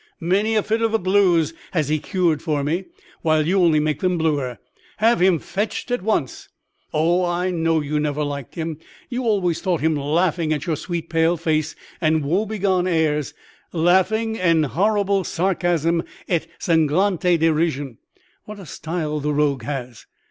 Many a fit of the blues has he cured for me, while you only make them bluer. Have him fetched at once. O, I know you never liked him; you always thought him laughing at your sweet pale face and woebegone airs, laughing 'en horrible sarcasm et sanglante derision' (what a style the rogue has!